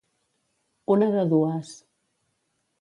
Una de dues.